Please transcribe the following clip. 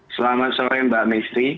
selamat sore mbak mistry